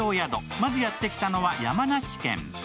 まず、やってきたのは山梨県。